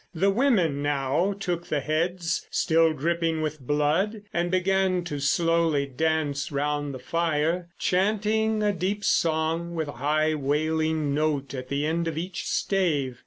The women now took the heads, still dripping with blood, and began to slowly dance round the fire, chanting a deep song with a high wailing note at the end of each stave.